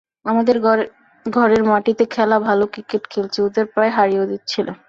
আমাদের ঘরের মাটিতে খেলা, ভালো ক্রিকেট খেলছি, ওদের প্রায় হারিয়েও দিচ্ছিলাম।